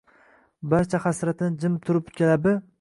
Barcha hasratini jim turib labi